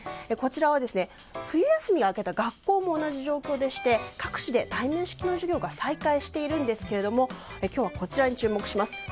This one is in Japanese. こちらは、冬休みが明けた学校も同じ状況でして各地で対面式の授業が再開しているんですが今日はこちらに注目します。